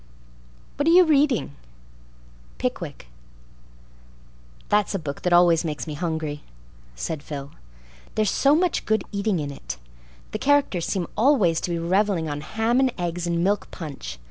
"What are you reading?" "Pickwick." "That's a book that always makes me hungry," said Phil. "There's so much good eating in it. The characters seem always to be reveling on ham and eggs and milk punch.